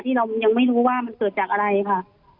เรายังไม่รู้ว่ามันเกิดจากอะไรค่ะ